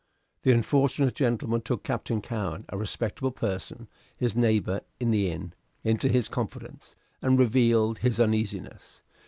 The unfortunate gentleman took Captain Cowen, a respectable person, his neighbor in the inn, into his confidence, and revealed his uneasiness.